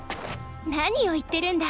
⁉何を言ってるんだ。